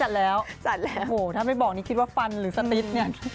จัดแล้วจัดแล้วโหถ้าไม่บอกนี่คิดว่าฟันหรือสติ๊กเนี่ย